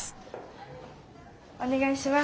お願いします。